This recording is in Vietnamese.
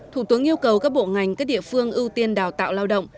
thủ tướng yêu cầu các bộ ngành các địa phương ưu tiên đào tạo lao động